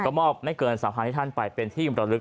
ก็มอบไม่เกิน๓๐๐ให้ท่านไปเป็นที่มรลึก